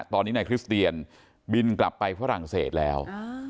ตอนนี้นายคริสเตียนบินกลับไปฝรั่งเศสแล้ว